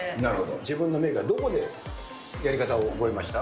自分のメイクはどこでやり方を覚えました？